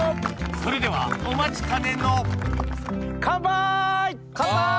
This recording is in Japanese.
それではお待ちかねのカンパイ！